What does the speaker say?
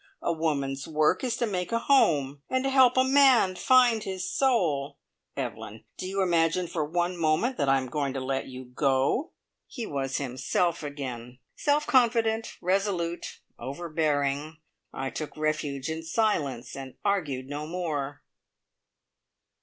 A woman's work is to make a home, and to help a man to find his soul. Evelyn, do you imagine for one moment that I am going to let you go?" He was himself again: self confident, resolute, overbearing. I took refuge in silence, and argued no more.